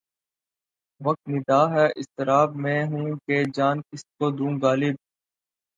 وقت نِدا ہے اضطراب میں ہوں کہ جان کس کو دوں غالب